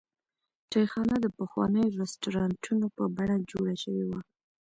چایخانه د پخوانیو رسټورانټونو په بڼه جوړه شوې وه.